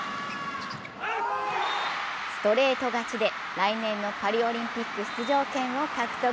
ストレート勝ちで来年のパリオリンピック出場権を獲得。